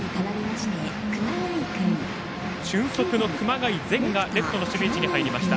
俊足の熊谷禅がレフトの守備位置に入りました。